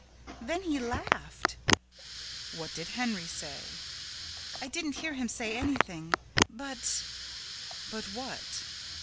"Then he laughed." "What did Henry say?" "I didn't hear him say anything, but " "But what?"